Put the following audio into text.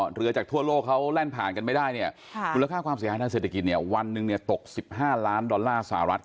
เหลือจากทั่วโลกเขาแล่นผ่านกันไม่ได้เนี่ยมูลค่าความเสียหายทางเศรษฐกิจเนี่ยวันหนึ่งเนี่ยตก๑๕ล้านดอลลาร์สหรัฐ